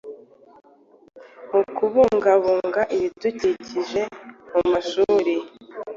mu kubungabunga ibidukikije mumashuri